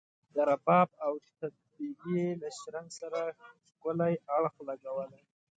د رباب او طبلي له شرنګ سره ښکلی اړخ لګولی.